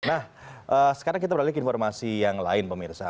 nah sekarang kita beralih ke informasi yang lain pemirsa